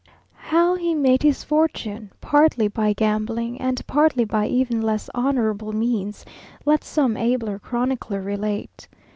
How he made his fortune, partly by gambling, and partly by even less honourable means, let some abler chronicler relate.